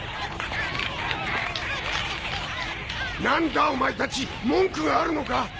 何だお前たち文句があるのか？